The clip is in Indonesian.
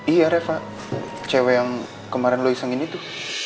iya reva cewek yang kemarin lo isengin itu